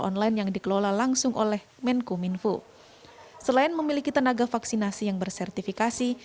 online yang dikelola langsung oleh menko minfo selain memiliki tenaga vaksinasi yang bersertifikasi